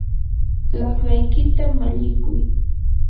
laqlaykita mallikuy.